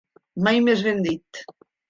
Mai més ben dit.